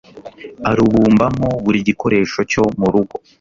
arubumbamo buri gikoresho cyo mu rugo